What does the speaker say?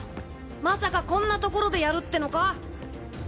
まさかこんな所でやるってのか？